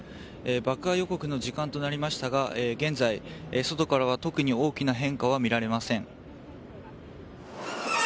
爆破予告の時間となりましたが現在、外からは特に大きな変化は見られません。